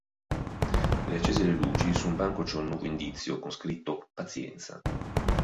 Riaccese le luci, su un banco c'è un nuovo indizio con scritto “Pazienza”.